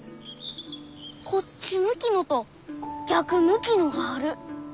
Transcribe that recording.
こっち向きのと逆向きのがある。